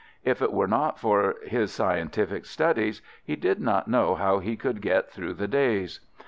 If it were not for his scientific studies, he did not know how he could get through the days.